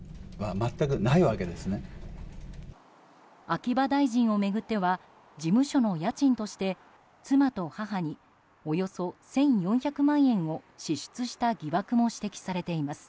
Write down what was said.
秋葉大臣を巡っては事務所の家賃として妻と母に、およそ１４００万円を支出した疑惑も指摘されています。